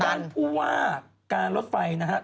ดังคือว่าการรถไฟนะฮะ